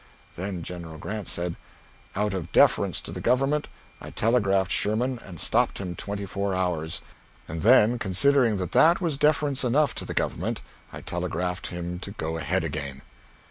Then General Grant said, "Out of deference to the Government, I telegraphed Sherman and stopped him twenty four hours; and then considering that that was deference enough to the Government, I telegraphed him to go ahead again."